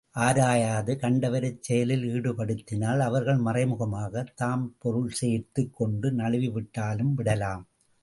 ஆராயாது கண்டவரைச் செயலில் ஈடுபடுத்தினால், அவர்கள் மறைமுகமாகத் தாம் பொருள்சேர்த்துக் கொண்டு நழுவி விட்டாலும் விடலாம்.